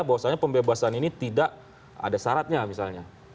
bahwasannya pembebasan ini tidak ada syaratnya misalnya